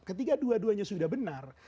ketika dua duanya sudah benar